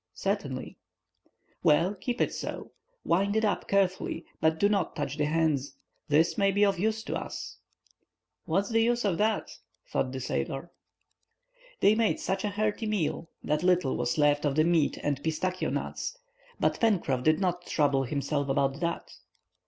"Certainly." "Well, keep it so. Wind it up carefully, but do not touch the hands. This may be of use to us." "What's the use of that?" thought the sailor. They made such a hearty meal, that little was left of the meat and pistachio nuts; but Pencroff did not trouble himself about that.